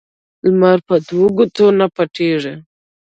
لمر په دو ګوتو نه پټېږي